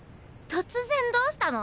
突然どうしたの？